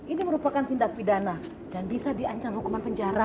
ini merupakan tindak pidana dan bisa diancam hukuman penjara